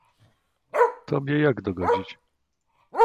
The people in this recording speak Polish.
"tobie jak dogodzić?"